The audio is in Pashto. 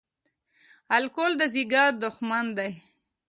الکول د ځیګر دښمن دی